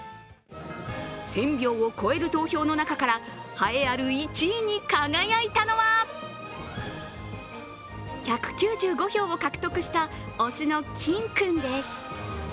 １０００票を超える投票の中から栄えある１位に輝いたのは１９５票を獲得した雄のキン君です。